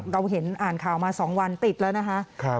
เราเห็นอ่านข่าวมา๒วันติดแล้วนะคะ